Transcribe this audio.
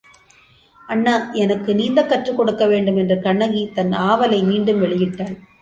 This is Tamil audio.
அண்ணா, எனக்கு நீந்தக் கற்றுக்கொடுக்க வேண்டும் என்று கண்ணகி தன் ஆவலை மீண்டும் வெளியிட்டாள்.